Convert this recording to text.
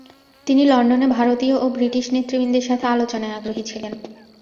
তিনি লন্ডনে ভারতীয় ও ব্রিটিশ নেতৃবৃন্দের সাথে আলোচনায় আগ্রহী ছিলেন।